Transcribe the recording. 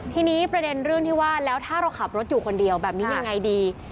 ทีนี้ประเด็นเรื่องที่ว่าแล้วถ้าเราขับรถอยู่คนเดียวแบบนี้ยังไงดี